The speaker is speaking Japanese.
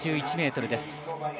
１３１ｍです。